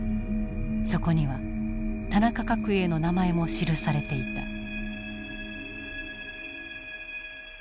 そこには田中角栄の名前も記されていた。